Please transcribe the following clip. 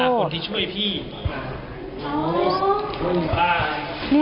กลุ่มถ่ายคุณค่ะคนที่ช่วยพี่